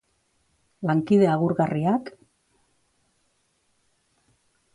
Lankide agurgarriak